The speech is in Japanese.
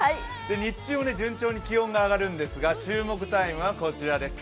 日中も順調に気温が上がるんですけれども注目タイムはこちらです。